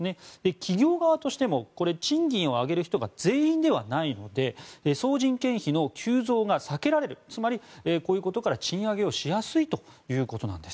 企業側としても賃金を上げる人が全員ではないので総人件費の急増が避けられるつまり、こういうことから賃上げをしやすいということです。